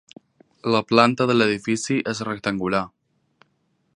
La planta de l'edifici és rectangular.